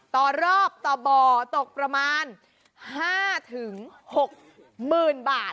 ต่อรอบต่อบ่อตกประมาณ๕๖๐๐๐บาท